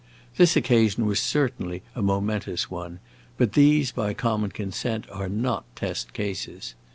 This occasion was certainly a momentous one, but these, by common consent, are not test cases.